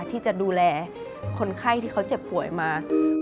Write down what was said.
ที่จะดูแลคนไข้ที่เขาเจ็บป่วยมา